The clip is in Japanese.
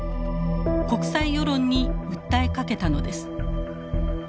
国際世論に訴えかけたのです。